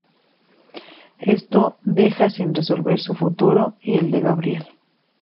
Esto deja sin resolver su futuro y el de Gabriel.